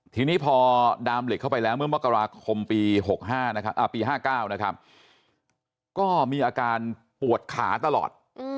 ทีนี้พอดามเหล็กเข้าไปแล้วเมื่อมกราคมปี๖๕ปี๕๙นะครับก็มีอาการปวดขาตลอด